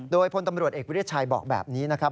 โดยพลตำรวจเอกวิทยาชัยบอกแบบนี้นะครับ